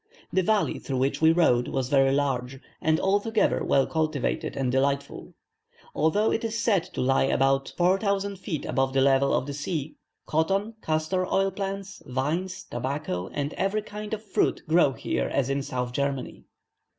The valley through which we rode was very large, and altogether well cultivated and delightful. Although it is said to lie about 4,000 feet above the level of the sea, cotton, castor oil plants, vines, tobacco, and every kind of fruit grow here as in South Germany.